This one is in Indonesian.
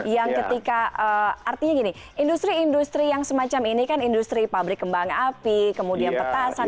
yang ketika artinya gini industri industri yang semacam ini kan industri pabrik kembang api kemudian petasan